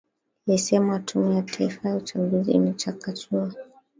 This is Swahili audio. esema tume ya taifa ya uchaguzi imechakachua